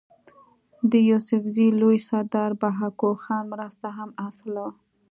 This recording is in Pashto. د يوسفزو لوئ سردار بهاکو خان مرسته هم حاصله وه